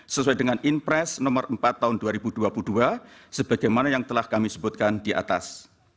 sesuai dengan impres nomor empat tahun dua ribu dua puluh dua sebagaimana yang telah kami sebutkan di atas